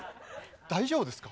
大丈夫ですか？